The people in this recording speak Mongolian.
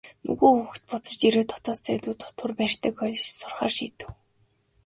Нөгөө хүүхэд буцаж ирээд хотоос зайдуу дотуур байртай коллежид сурахаар шийдэв.